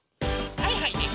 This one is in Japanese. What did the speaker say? はいはいです！